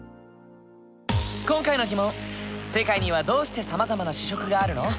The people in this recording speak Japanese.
今回の疑問「世界にはどうしてさまざまな主食があるの？」。